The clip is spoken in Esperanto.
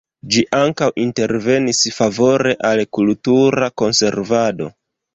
Ĝi ankaŭ intervenis favore al kultura konservado.